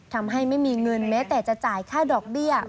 ทำให้ไม่มีเงินแม้แต่จะจ่ายค่าดอกเบี้ย